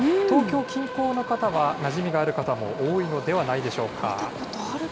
東京近郊の方はなじみがある方も多いのではないでしょうか。